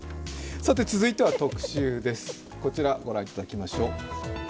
続いては特集です、こちら御覧いただきましょう。